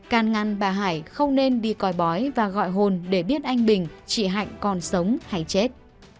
can ngăn bà hải không nên đi coi bói và gọi hồn để biết anh bình chị hạnh còn sống hay chết